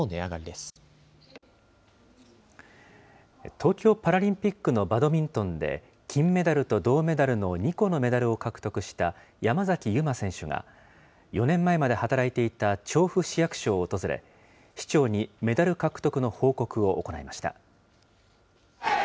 東京パラリンピックのバドミントンで、金メダルと銅メダルの２個のメダルを獲得した山崎悠麻選手が、４年前まで働いていた調布市役所を訪れ、市長にメダル獲得の報告を行いました。